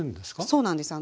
そうなんですよ。